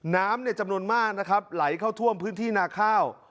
น้ำจำนวนมากนะครับไหลเข้าท่วมพื้นที่นาข้าว